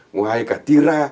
ngoài cả tia ra